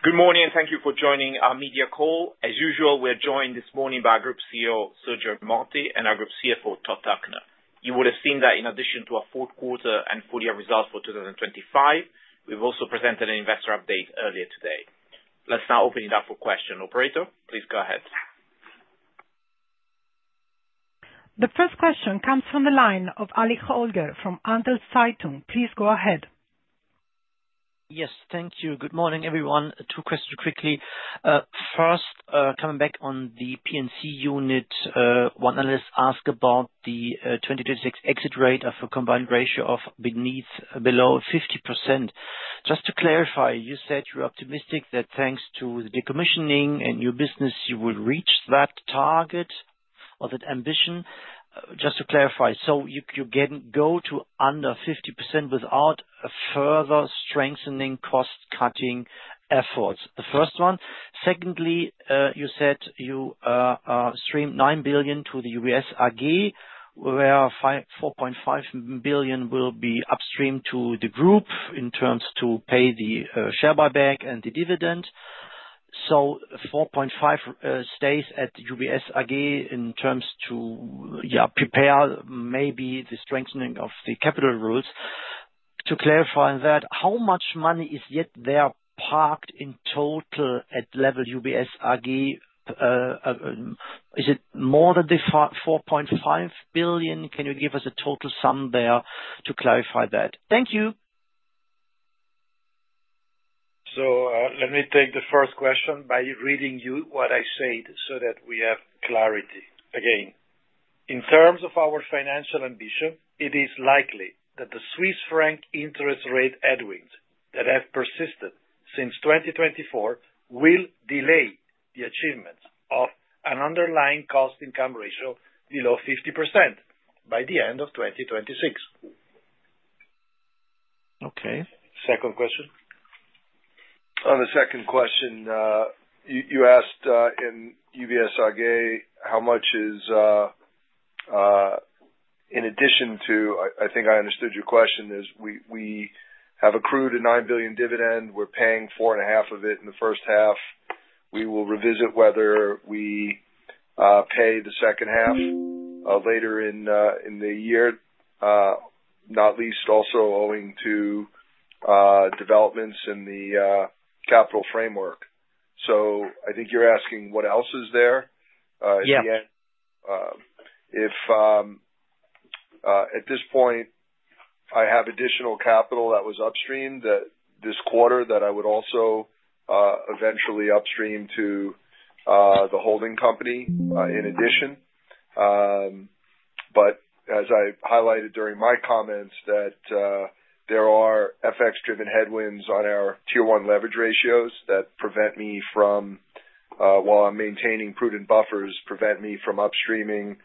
Good morning, and thank you for joining our media call. As usual, we're joined this morning by our Group CEO, Sergio Ermotti, and our Group CFO, Todd Tuckner. You would have seen that in addition to our fourth quarter and full year results for 2025, we've also presented an investor update earlier today. Let's now open it up for question. Operator, please go ahead. The first question comes from the line of Holger Alich from Handelszeitung. Please go ahead. Yes, thank you. Good morning, everyone. Two questions quickly. First, coming back on the P&C unit, one analyst asked about the 2026 exit rate of a combined ratio of beneath below 50%. Just to clarify, you said you're optimistic that thanks to the decommissioning and new business, you will reach that target or that ambition. Just to clarify, so you can go to under 50% without further strengthening cost-cutting efforts? The first one. Secondly, you said you streamed 9 billion to the UBS AG, where four point five billion will be upstreamed to the group in terms to pay the share buyback and the dividend. So four point five stays at UBS AG in terms to, yeah, prepare maybe the strengthening of the capital rules. To clarify that, how much money is yet there parked in total at level UBS AG? Is it more than 4.5 billion? Can you give us a total sum there to clarify that? Thank you. So, let me take the first question by reading you what I said, so that we have clarity. Again, in terms of our financial ambition, it is likely that the Swiss franc interest rate headwinds that have persisted since 2024, will delay the achievement of an underlying cost income ratio below 50% by the end of 2026. Okay. Second question? On the second question, you, you asked, in UBS AG, how much is, in addition to... I, I think I understood your question is we, we have accrued a 9 billion dividend. We're paying 4.5 billion of it in the first half. We will revisit whether we, pay the second half, later in, in the year, not least also owing to, developments in the, capital framework. So I think you're asking, what else is there, Yeah. If at this point, I have additional capital that was upstreamed that this quarter, that I would also eventually upstream to the holding company in addition. But as I highlighted during my comments, that there are FX-driven headwinds on our Tier 1 leverage ratios that prevent me from, while I'm maintaining prudent buffers, prevent me from upstreaming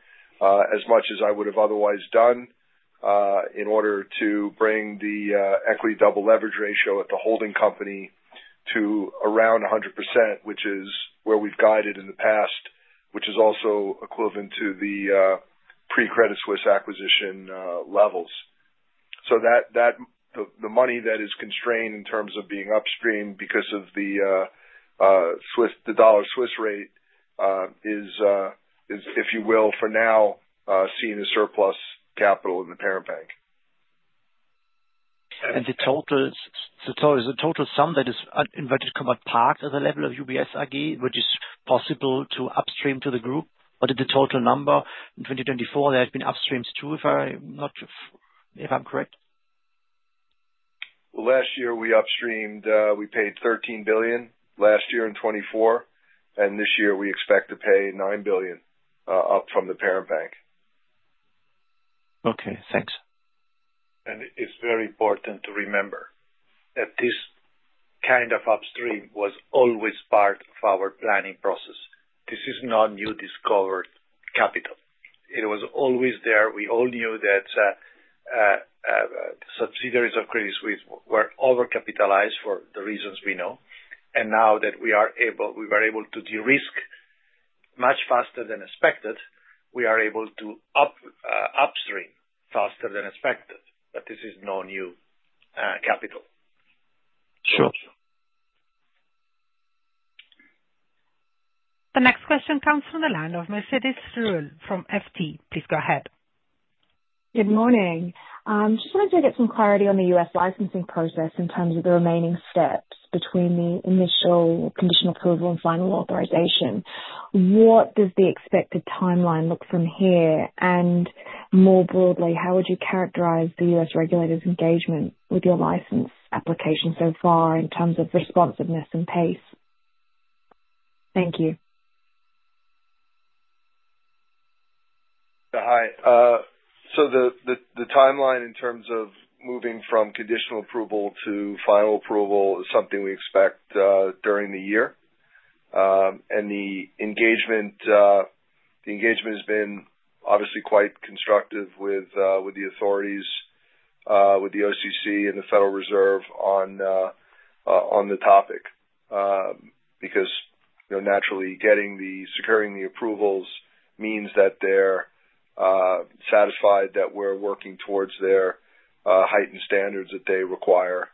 as much as I would have otherwise done in order to bring the equity double leverage ratio at the holding company to around 100%, which is where we've guided in the past, which is also equivalent to the pre-Credit Suisse acquisition levels. So that the money that is constrained in terms of being upstream because of the Swiss dollar rate is, if you will, for now, seeing the surplus capital in the parent bank. The total, so total, the total sum that is un- inverted comma, parked at the level of UBS AG, which is possible to upstream to the group. But the total number in 2024, there has been upstreams too, if I'm not... If I'm correct? Last year, we upstreamed, we paid CHF 13 billion last year in 2024, and this year we expect to pay CHF 9 billion, up from the parent bank. Okay, thanks. It's very important to remember that this kind of upstream was always part of our planning process. This is not new discovered capital. It was always there. We all knew that, subsidiaries of Credit Suisse were over-capitalized for the reasons we know. And now that we are able—we were able to de-risk much faster than expected, we are able to upstream faster than expected, but this is no new capital. Sure. The next question comes from the line of Mercedes Ruehl from FT. Please go ahead. Good morning. Just wanted to get some clarity on the U.S. licensing process in terms of the remaining steps between the initial conditional approval and final authorization. What does the expected timeline look from here? And more broadly, how would you characterize the U.S. regulators' engagement with your license application so far in terms of responsiveness and pace? Thank you. Hi. So the timeline in terms of moving from conditional approval to final approval is something we expect during the year. And the engagement has been obviously quite constructive with the authorities, with the OCC and the Federal Reserve on the topic, because you know, naturally getting the securing the approvals means that they're satisfied that we're working towards their heightened standards that they require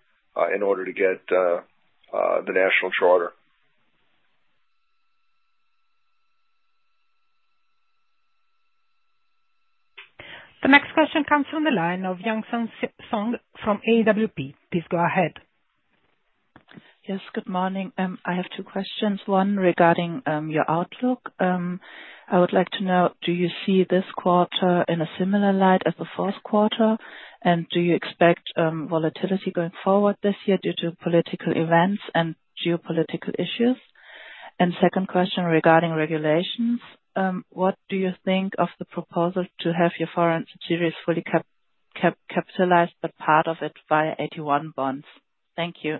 in order to get the national charter. The next question comes from the line of Young-Sun Sohn from AWP. Please go ahead. Yes, good morning. I have two questions. One regarding your outlook. I would like to know, do you see this quarter in a similar light as the fourth quarter? And do you expect volatility going forward this year due to political events and geopolitical issues? And second question regarding regulations, what do you think of the proposal to have your foreign securities fully capitalized, but part of it via AT1 bonds? Thank you.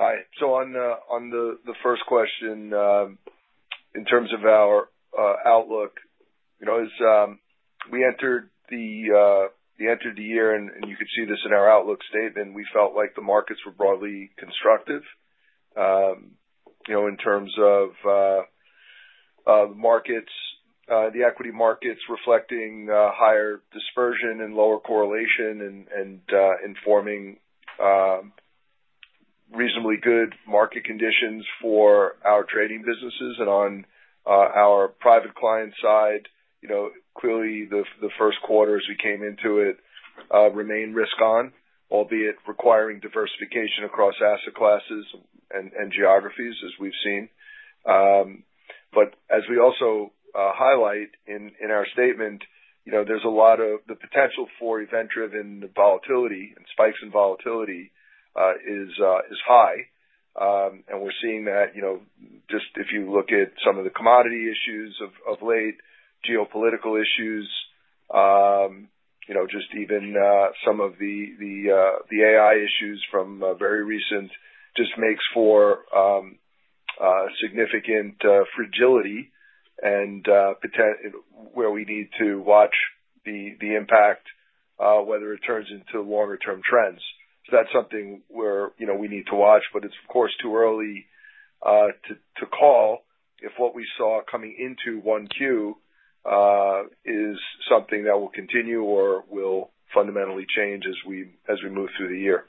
Hi. So on the first question, in terms of our outlook, you know, as we entered the year, and you can see this in our outlook statement, we felt like the markets were broadly constructive. You know, in terms of markets, the equity markets reflecting higher dispersion and lower correlation and informing reasonably good market conditions for our trading businesses. And on our private client side, you know, clearly the first quarter as we came into it remained risk on, albeit requiring diversification across asset classes and geographies, as we've seen. But as we also highlight in our statement, you know, there's a lot of potential for event-driven volatility and spikes in volatility is high. And we're seeing that, you know, just if you look at some of the commodity issues of late, geopolitical issues, you know, just even some of the AI issues from very recent, just makes for significant fragility and potential where we need to watch the impact, whether it turns into longer term trends. So that's something where, you know, we need to watch, but it's of course too early to call if what we saw coming into 1Q is something that will continue or will fundamentally change as we move through the year.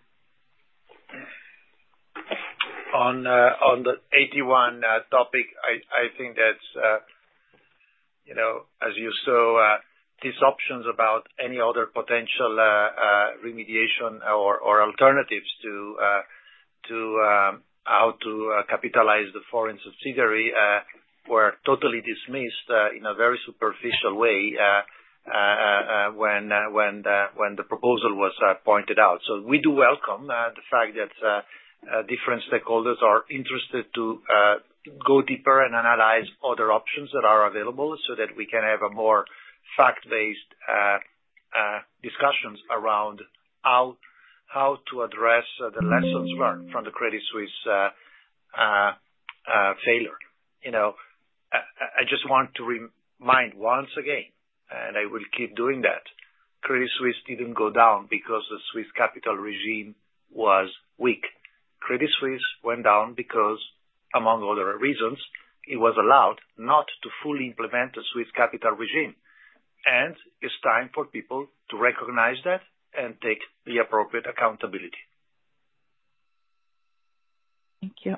On the 81 topic, I think that's, you know, as you saw, these options about any other potential remediation or alternatives to how to capitalize the foreign subsidiary were totally dismissed in a very superficial way when the proposal was pointed out. So we do welcome the fact that different stakeholders are interested to go deeper and analyze other options that are available, so that we can have a more fact-based discussions around how to address the lessons learned from the Credit Suisse failure. You know, I just want to remind once again, and I will keep doing that, Credit Suisse didn't go down because the Swiss capital regime was weak. Credit Suisse went down because, among other reasons, it was allowed not to fully implement the Swiss capital regime, and it's time for people to recognize that and take the appropriate accountability. Thank you.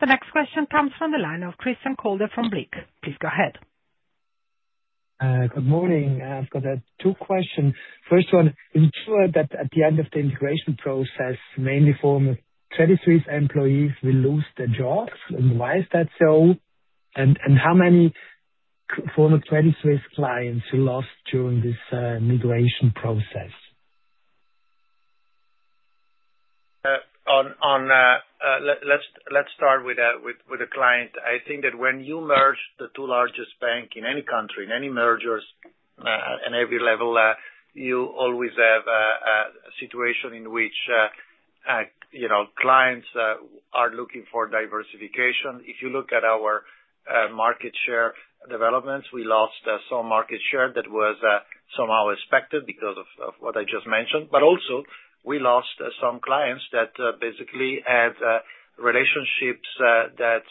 The next question comes from the line of Christian Kolbe from Blick. Please go ahead. Good morning. I've got two questions. First one, ensure that at the end of the integration process, mainly former Credit Suisse employees will lose their jobs, and why is that so? And how many former Credit Suisse clients you lost during this migration process? Let's start with the client. I think that when you merge the two largest bank in any country, in any mergers, in every level, you always have a situation in which, you know, clients are looking for diversification. If you look at our market share developments, we lost some market share that was somehow expected because of what I just mentioned. But also we lost some clients that basically had relationships that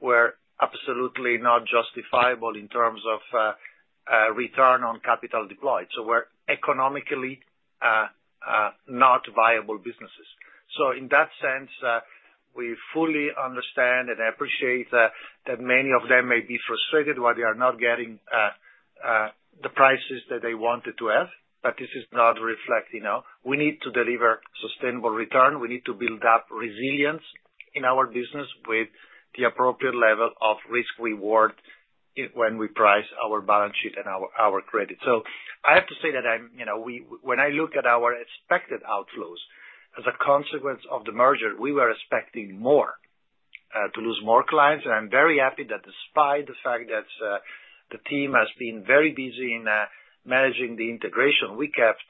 were absolutely not justifiable in terms of return on capital deployed. So were economically not viable businesses. So in that sense, we fully understand and appreciate that many of them may be frustrated why they are not getting the prices that they wanted to have, but this is not reflecting. We need to deliver sustainable return. We need to build up resilience in our business with the appropriate level of risk reward when we price our balance sheet and our credit. So I have to say that I'm, you know, when I look at our expected outflows as a consequence of the merger, we were expecting more to lose more clients. And I'm very happy that despite the fact that the team has been very busy in managing the integration, we kept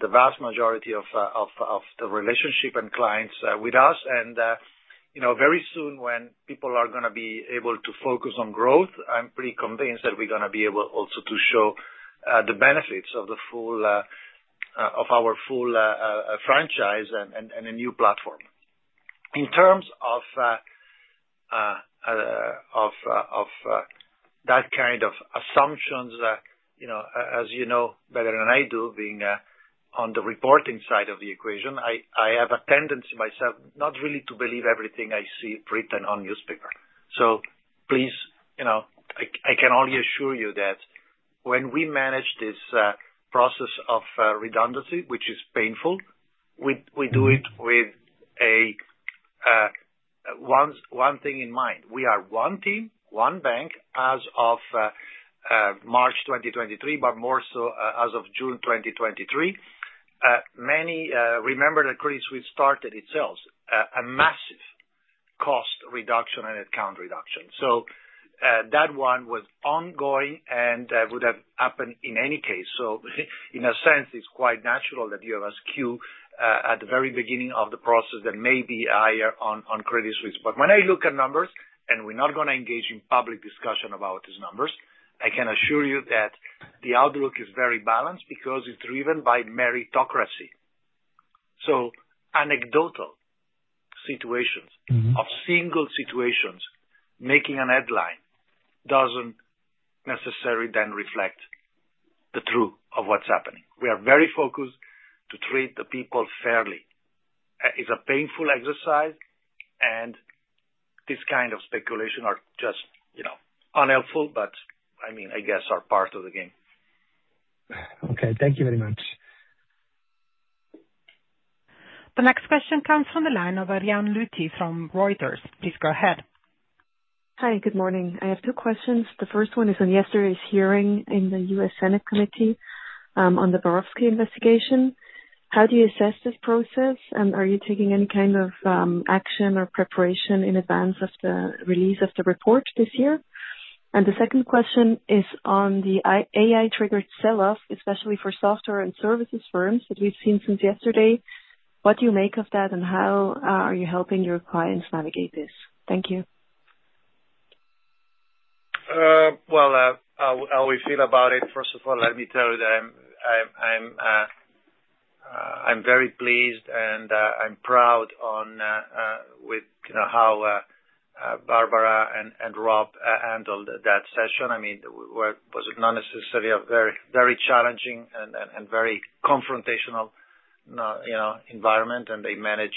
the vast majority of the relationship and clients with us. And, you know, very soon, when people are gonna be able to focus on growth, I'm pretty convinced that we're gonna be able also to show the benefits of the full of our full franchise and a new platform. In terms of that kind of assumptions, you know, as you know better than I do, being on the reporting side of the equation, I have a tendency myself not really to believe everything I see written on newspaper. So please, you know, I can only assure you that when we manage this process of redundancy, which is painful, we do it with one thing in mind. We are one team, one bank, as of March 2023, but more so as of June 2023. Many remember that Credit Suisse started itself a massive cost reduction and headcount reduction. So that one was ongoing and would have happened in any case. So in a sense, it's quite natural that you have a skew at the very beginning of the process that may be higher on Credit Suisse. But when I look at numbers, and we're not gonna engage in public discussion about these numbers I can assure you that the outlook is very balanced because it's driven by meritocracy. So anecdotal situations of single situations making a headline doesn't necessarily then reflect the truth of what's happening. We are very focused to treat the people fairly. It's a painful exercise, and this kind of speculation are just, you know, unhelpful, but I mean, I guess, are part of the game. Okay. Thank you very much. The next question comes from the line of Ariane Lüthi from Reuters. Please go ahead. Hi, good morning. I have two questions. The first one is on yesterday's hearing in the U.S. Senate committee, on the Barofsky investigation. How do you assess this process? And are you taking any kind of, action or preparation in advance of the release of the report this year? And the second question is on the AI-triggered sell-off, especially for software and services firms that we've seen since yesterday. What do you make of that, and how, are you helping your clients navigate this? Thank you. Well, how we feel about it, first of all, let me tell you that I'm very pleased and I'm proud on with, you know, how Barbara and Rob handled that session. I mean, was not necessarily a very, very challenging and very confrontational, you know, environment, and they managed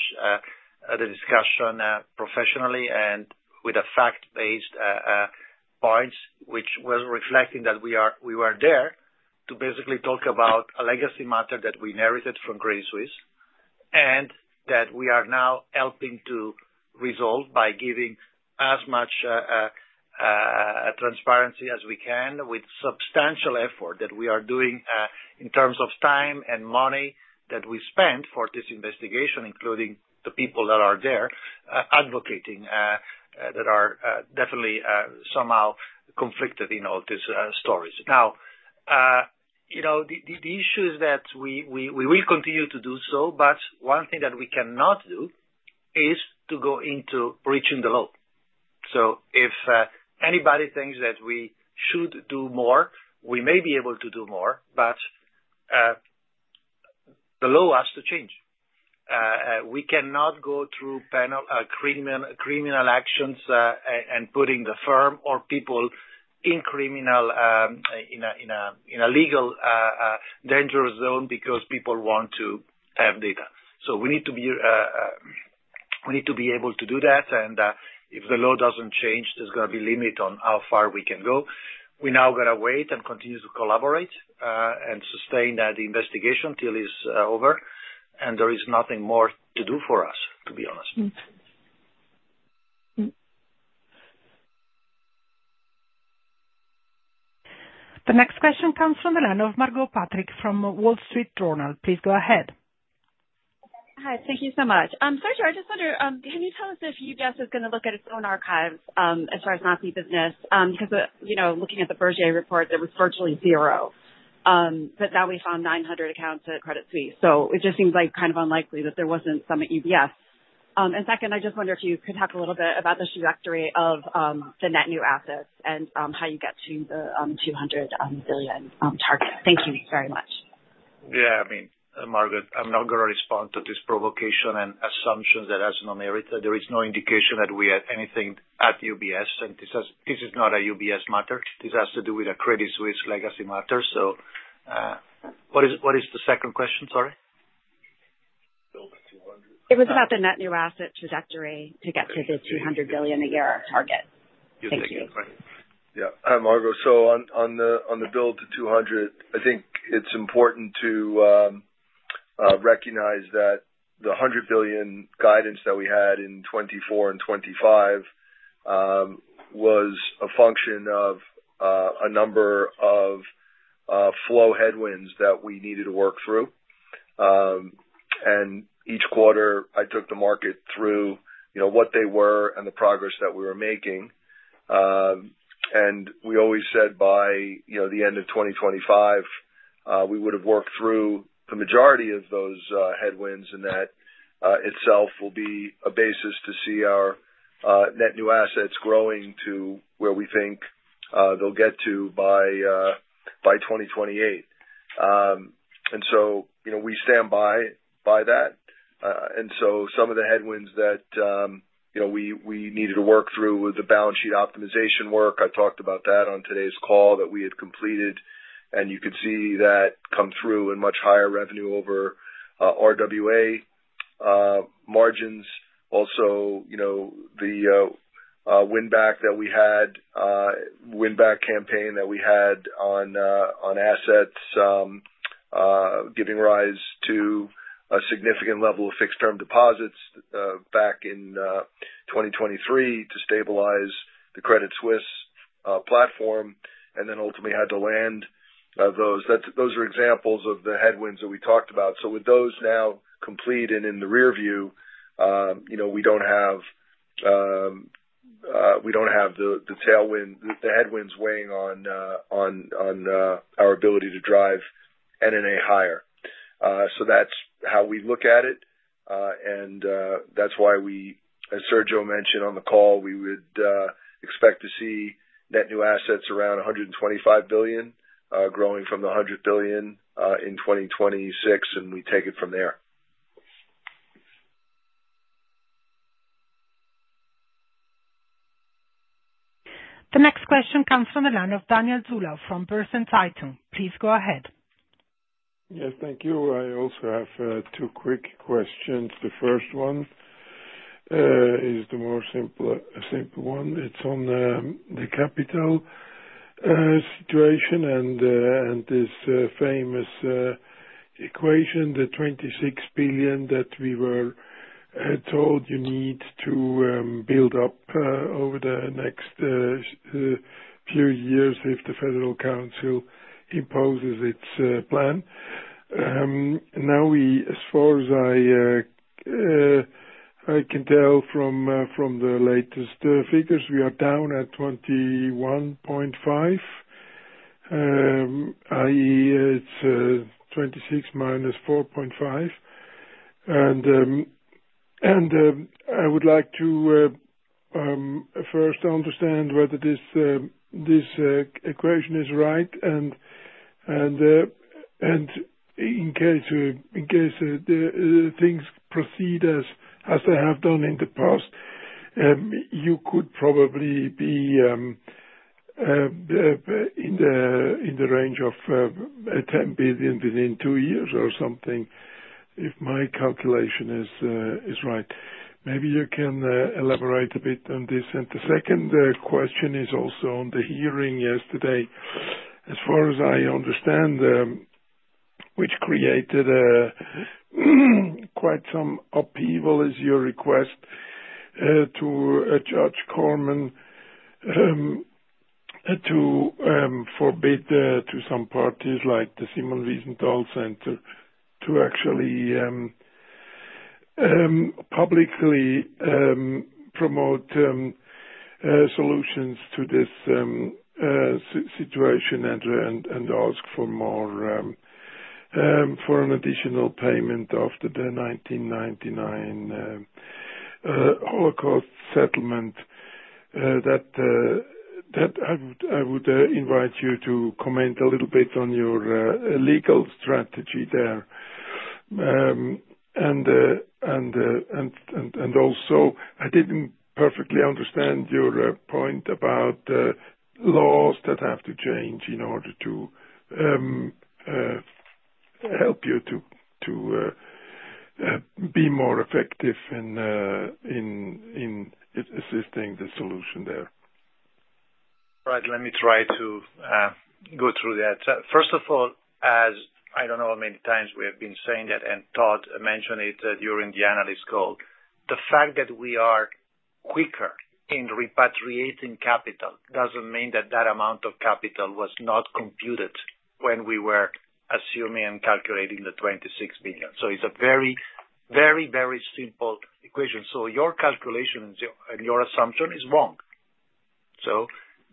the discussion professionally and with a fact-based points, which was reflecting that we were there to basically talk about a legacy matter that we inherited from Credit Suisse, and that we are now helping to resolve by giving as much transparency as we can, with substantial effort that we are doing in terms of time and money that we spent for this investigation, including the people that are there advocating that are definitely somehow conflicted in all these stories. Now, you know, the issue is that we will continue to do so, but one thing that we cannot do is to go into breaching the law. So if anybody thinks that we should do more, we may be able to do more, but the law has to change. We cannot go through penal criminal actions and putting the firm or people in a legally dangerous zone, because people want to have data. So we need to be able to do that, and if the law doesn't change, there's gonna be limit on how far we can go. We're now gonna wait and continue to collaborate and sustain the investigation till it's over, and there is nothing more to do for us, to be honest. The next question comes from the line of Margot Patrick from Wall Street Journal. Please go ahead. Hi, thank you so much. Sergio, I just wonder, can you tell us if UBS is gonna look at its own archives, as far as Nazi business, because, you know, looking at the Bergier report, there was virtually zero, but now we found 900 accounts at Credit Suisse. So it just seems like kind of unlikely that there wasn't some at UBS. And second, I just wonder if you could talk a little bit about the trajectory of the net new assets and how you get to the 200 billion target. Thank you very much. Yeah, I mean, Margot, I'm not gonna respond to this provocation and assumption that has no merit. There is no indication that we had anything at UBS, and this is not a UBS matter. This has to do with a Credit Suisse legacy matter. So, what is the second question? Sorry. Build to 200. It was about the net new asset trajectory to get to the 200 billion a year target. Thank you. You take it, Frank. Yeah. Hi, Margot. So on the build to 200, I think it's important to recognize that the 100 billion guidance that we had in 2024 and 2025 was a function of a number of flow headwinds that we needed to work through and each quarter, I took the market through, you know, what they were and the progress that we were making. And we always said by, you know, the end of 2025, we would have worked through the majority of those headwinds, and that itself will be a basis to see our net new assets growing to where we think they'll get to by 2028. And so, you know, we stand by that. And so some of the headwinds that, you know, we needed to work through with the balance sheet optimization work, I talked about that on today's call, that we had completed, and you could see that come through in much higher revenue over RWA margins. Also, you know, the win back that we had, win back campaign that we had on assets, giving rise to a significant level of fixed term deposits, back in 2023 to stabilize the Credit Suisse platform, and then ultimately had to land those. Those are examples of the headwinds that we talked about. So with those now complete and in the rearview, you know, we don't have the tailwind... the headwinds weighing on our ability to drive NNA higher. So that's how we look at it. That's why we, as Sergio mentioned on the call, we would expect to see net new assets around 125 billion, growing from 100 billion in 2026, and we take it from there. The next question comes from the line of Daniel Zulauf from Berner Zeitung. Please go ahead. Yes, thank you. I also have 2 quick questions. The first one is the more simpler, simple one. It's on the capital situation and this famous equation, the 26 billion that we were told you need to build up over the next few years if the Federal Council imposes its plan. Now we as far as I can tell from the latest figures, we are down at 21.5 billion, i.e., it's 26 billion minus 4.5 billion. I would like to first understand whether this equation is right and in case things proceed as they have done in the past, you could probably be in the range of 10 billion within 2 years or something, if my calculation is right. Maybe you can elaborate a bit on this. And the second question is also on the hearing yesterday. As far as I understand, which created quite some upheaval, is your request to Judge Korman to forbid to some parties like the Simon Wiesenthal Center to actually publicly promote solutions to this situation and ask for more for an additional payment after the 1999 Holocaust settlement. That I would invite you to comment a little bit on your legal strategy there. And also, I didn't perfectly understand your point about laws that have to change in order to help you to be more effective in assisting the solution there. Right. Let me try to go through that. First of all, as I don't know how many times we have been saying it, and Todd mentioned it during the analyst call, the fact that we are quicker in repatriating capital doesn't mean that that amount of capital was not computed when we were assuming and calculating the 26 billion. So it's a very, very, very simple equation. So your calculation and your assumption is wrong. So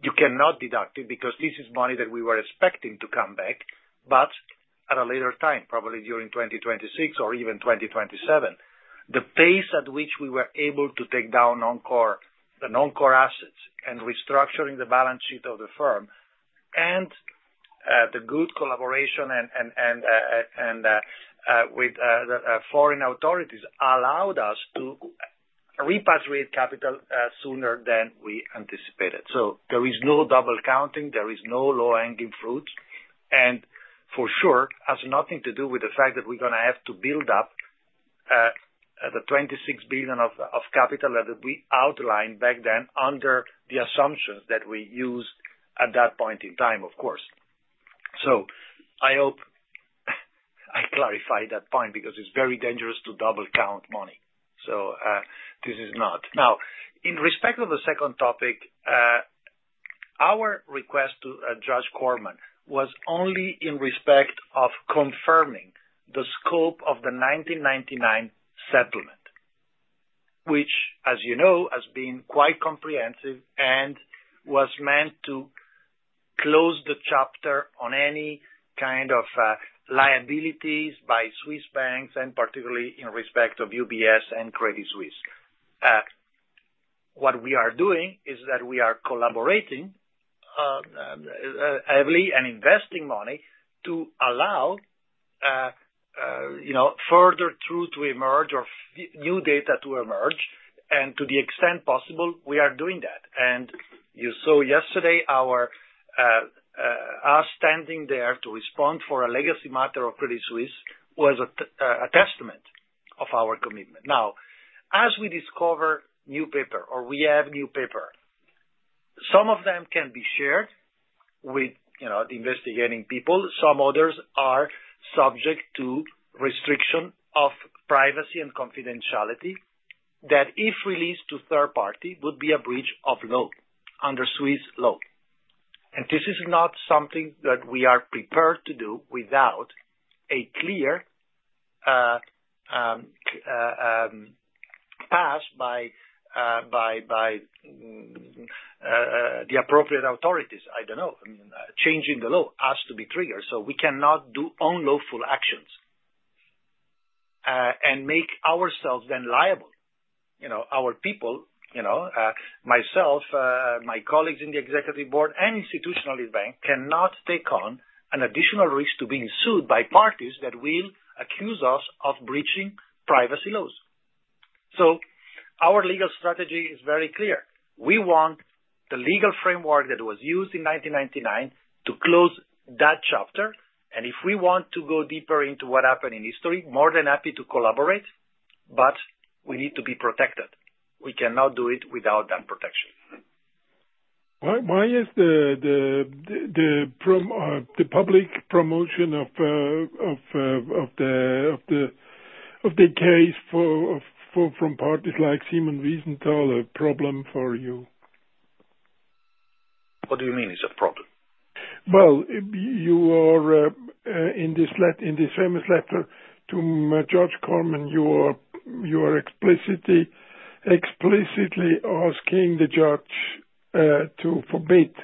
you cannot deduct it, because this is money that we were expecting to come back, but at a later time, probably during 2026 or even 2027. The pace at which we were able to take down Non-Core, the Non-Core assets and restructuring the balance sheet of the firm and the good collaboration and with the foreign authorities allowed us to repatriate capital sooner than we anticipated. So there is no double counting, there is no low-hanging fruit, and for sure, it has nothing to do with the fact that we're gonna have to build up the 26 billion of capital that we outlined back then under the assumptions that we used at that point in time, of course. So I hope I clarified that point, because it's very dangerous to double count money. So this is not. Now, in respect of the second topic, Our request to Judge Korman was only in respect of confirming the scope of the 1999 settlement, which, as you know, has been quite comprehensive and was meant to close the chapter on any kind of liabilities by Swiss banks and particularly in respect of UBS and Credit Suisse. What we are doing is that we are collaborating heavily and investing money to allow you know further truth to emerge or new data to emerge, and to the extent possible, we are doing that. And you saw yesterday our UBS standing there to respond for a legacy matter of Credit Suisse was a testament of our commitment. Now, as we discover new paper or we have new paper, some of them can be shared with you know the investigating people. Some others are subject to restriction of privacy and confidentiality, that if released to third party, would be a breach of law under Swiss law. This is not something that we are prepared to do without a clear path by the appropriate authorities. I don't know, I mean, changing the law has to be triggered, so we cannot do unlawful actions and make ourselves then liable. You know, our people, you know, myself, my colleagues in the executive board and institutionally, bank cannot take on an additional risk to being sued by parties that will accuse us of breaching privacy laws. So our legal strategy is very clear. We want the legal framework that was used in 1999 to close that chapter, and if we want to go deeper into what happened in history, more than happy to collaborate, but we need to be protected. We cannot do it without that protection. Why is the public promotion of the case from parties like Simon Wiesenthal a problem for you? What do you mean it's a problem? Well, you are, in this famous letter to Judge Korman, you are explicitly asking the judge to forbid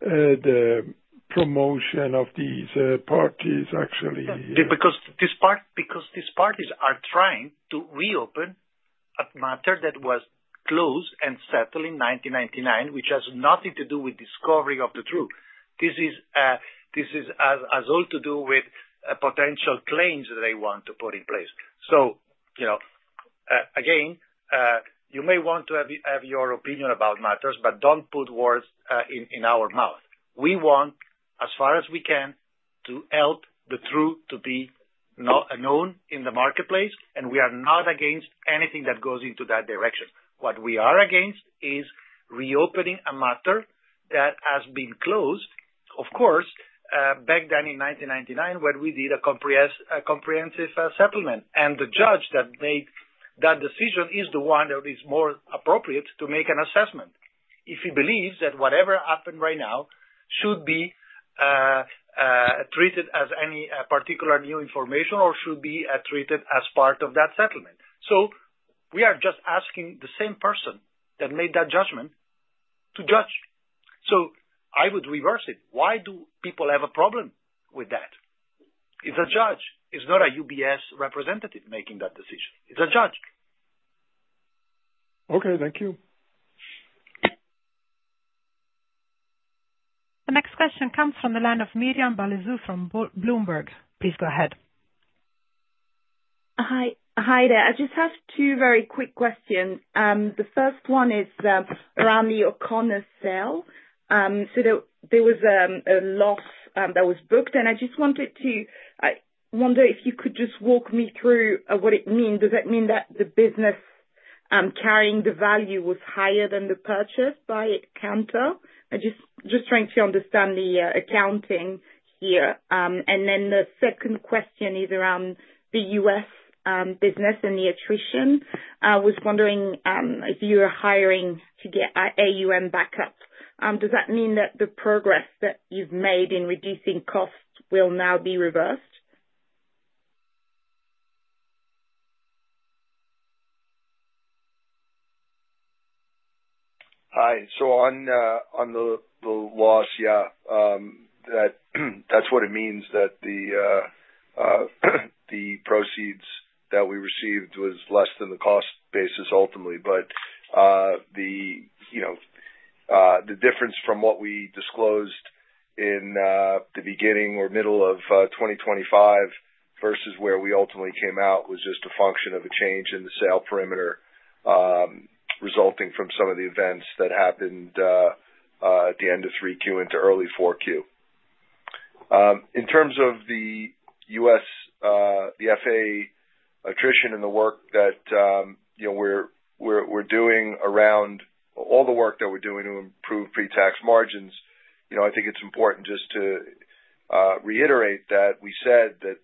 the promotion of these parties, actually. Because these parties, because these parties are trying to reopen a matter that was closed and settled in 1999, which has nothing to do with discovery of the truth. This is all to do with potential claims that they want to put in place. So, you know, again, you may want to have your opinion about matters, but don't put words in our mouth. We want, as far as we can, to help the truth to be known in the marketplace, and we are not against anything that goes into that direction. What we are against is reopening a matter that has been closed, of course, back then in 1999, when we did a comprehensive settlement. The judge that made that decision is the one that is more appropriate to make an assessment, if he believes that whatever happened right now should be treated as any particular new information or should be treated as part of that settlement. So we are just asking the same person that made that judgment to judge. So I would reverse it. Why do people have a problem with that? It's a judge. It's not a UBS representative making that decision. It's a judge. Okay, thank you. The next question comes from the line of Myriam Balezou from Bloomberg. Please go ahead. Hi. Hi there. I just have two very quick questions. The first one is around the O'Connor sale. So there was a loss that was booked, and I just wanted to... I wonder if you could just walk me through what it means. Does that mean that the business carrying the value was higher than the purchase by Cantor? I'm just trying to understand the accounting here. And then the second question is around the U.S. business and the attrition. I was wondering if you were hiring to get AUM back up, does that mean that the progress that you've made in reducing costs will now be reversed? Hi. On the loss, yeah, that's what it means, that the proceeds that we received was less than the cost basis ultimately. But, you know, the difference from what we disclosed in the beginning or middle of 2025 versus where we ultimately came out was just a function of a change in the sale perimeter resulting from some of the events that happened at the end of 3Q into early 4Q. In terms of the U.S., the FA attrition and the work that, you know, we're doing around... all the work that we're doing to improve pre-tax margins, you know, I think it's important just to reiterate that we said that.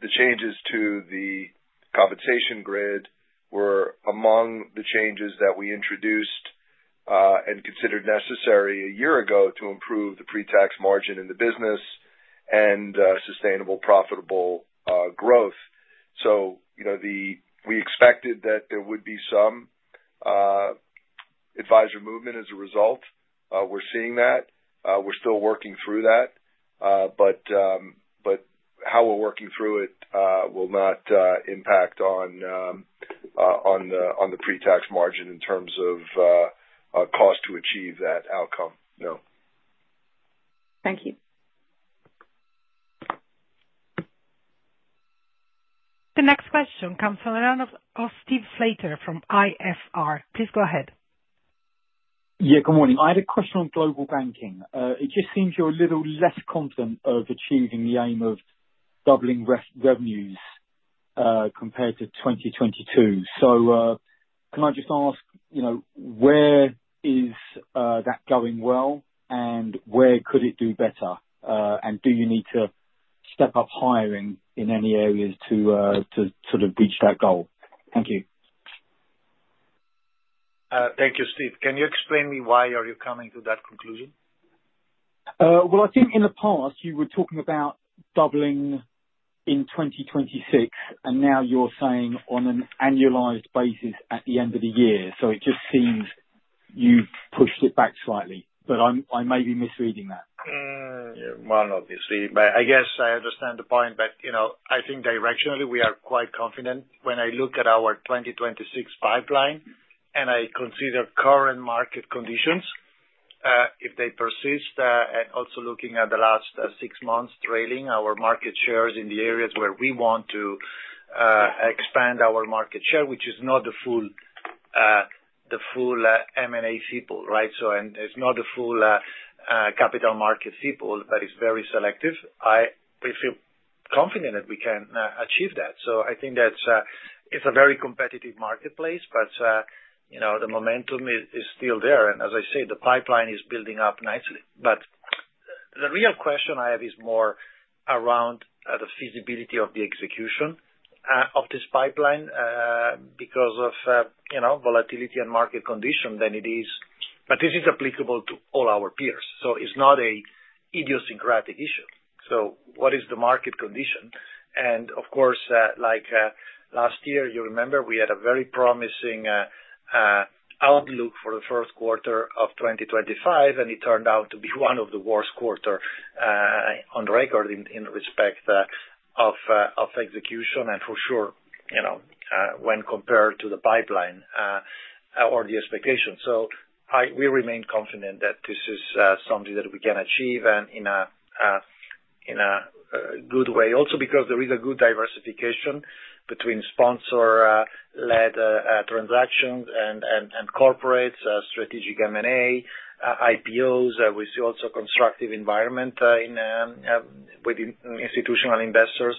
The changes to the compensation grid were among the changes that we introduced and considered necessary a year ago to improve the pre-tax margin in the business and sustainable profitable growth. So, you know, we expected that there would be some advisor movement as a result. We're seeing that. We're still working through that, but how we're working through it will not impact on the pre-tax margin in terms of cost to achieve that outcome. No. Thank you. The next question comes from the line of Steve Slater. Please go ahead. Yeah, good morning. I had a question on Global Banking. It just seems you're a little less confident of achieving the aim of doubling revenues compared to 2022. So, can I just ask, you know, where is that going well, and where could it do better? And do you need to step up hiring in any areas to sort of reach that goal? Thank you. Thank you, Steve. Can you explain me why are you coming to that conclusion? Well, I think in the past you were talking about doubling in 2026, and now you're saying on an annualized basis at the end of the year. So it just seems you've pushed it back slightly, but I'm- I may be misreading that. Yeah. Well, obviously, but I guess I understand the point, but, you know, I think directionally we are quite confident. When I look at our 2026 pipeline, and I consider current market conditions, if they persist, and also looking at the last six months trailing our market shares in the areas where we want to expand our market share, which is not the full, the full, M&A people, right? So and it's not a full, capital market people, but it's very selective. I, we feel confident that we can achieve that. So I think that, it's a very competitive marketplace, but, you know, the momentum is, is still there. And as I said, the pipeline is building up nicely. But the real question I have is more around the feasibility of the execution of this pipeline because of, you know, volatility and market condition than it is. But this is applicable to all our peers, so it's not an idiosyncratic issue. So what is the market condition? And of course, like, last year, you remember, we had a very promising outlook for the first quarter of 2025, and it turned out to be one of the worst quarter on record in respect of execution, and for sure, you know, when compared to the pipeline or the expectations. So we remain confident that this is something that we can achieve, and in a good way. Also, because there is a good diversification between sponsor-led transactions and corporates strategic M&A IPOs. We see also constructive environment in with institutional investors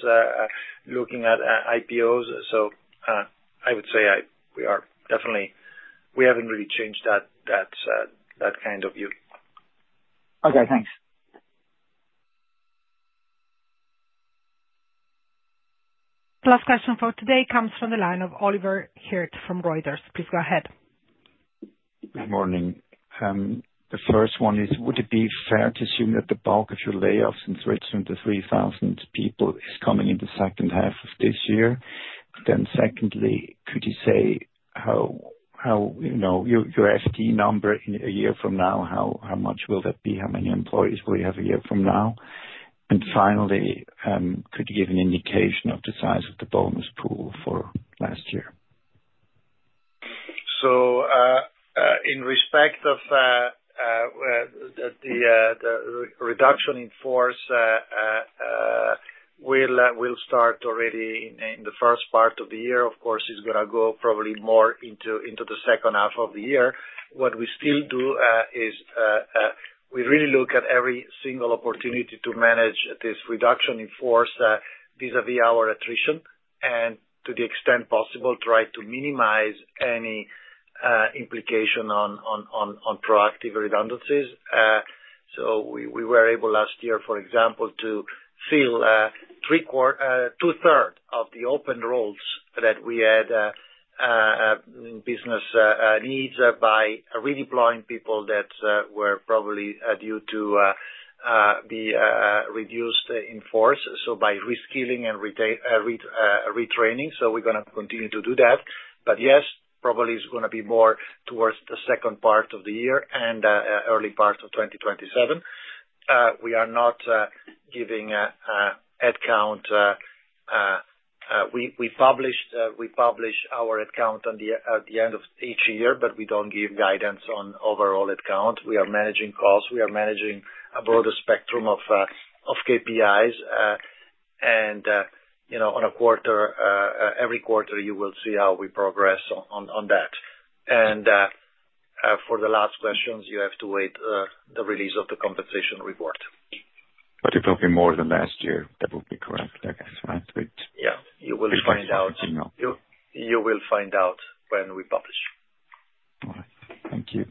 looking at IPOs. So, I would say we are definitely we haven't really changed that that kind of view. Okay, thanks. Last question for today comes from the line of Oliver Hart from Reuters. Please go ahead. Good morning. The first one is, would it be fair to assume that the bulk of your layoffs in Switzerland, the 3,000 people, is coming in the second half of this year? Then secondly, could you say how, how, you know, your, your FT number in a year from now, how, how much will that be? How many employees will you have a year from now? And finally, could you give an indication of the size of the bonus pool for last year? So, in respect of the reduction in force, will start already in the first part of the year. Of course, it's gonna go probably more into the second half of the year. What we still do is we really look at every single opportunity to manage this reduction in force vis-à-vis our attrition, and to the extent possible, try to minimize any implication on proactive redundancies. So we were able last year, for example, to fill three-quarters... two-thirds of the open roles that we had business needs by redeploying people that were probably due to be reduced in force, so by reskilling and retraining. So we're gonna continue to do that. But yes, probably it's gonna be more towards the second part of the year and early part of 2027. We are not giving head count. We publish our head count at the end of each year, but we don't give guidance on overall head count. We are managing costs. We are managing a broader spectrum of KPIs, and you know, every quarter, you will see how we progress on that. And for the last questions, you have to wait for the release of the compensation report. It will be more than last year. That would be correct, I guess, right? Yeah. You will find out when we publish. All right. Thank you.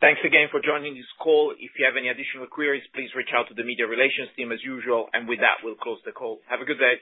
Thanks again for joining this call. If you have any additional queries, please reach out to the media relations team as usual. And with that, we'll close the call. Have a good day.